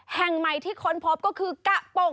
แห่งใหม่ที่ค้นพบก็คือกะปง